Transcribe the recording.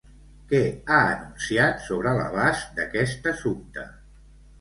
Què ha anunciat sobre l'abast d'aquest assumpte?